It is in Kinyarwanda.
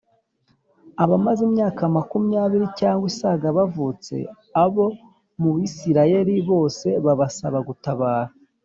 Abamaze imyaka makumyabiri cyangwa isāga bavutse, abo mu Bisirayeli bose babasha gutabara